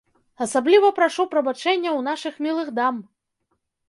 Асабліва прашу прабачэння ў нашых мілых дам!